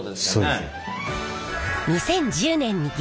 そうです。